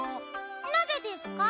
なぜですか？